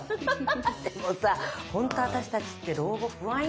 でもさほんと私たちって老後不安よね。